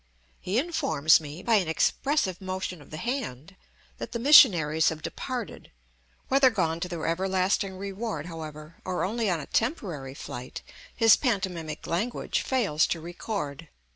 He informs me, by an expressive motion of the hand, that the missionaries have departed; whether gone to their everlasting reward, however, or only on a temporary flight, his pantomimic language fails to record.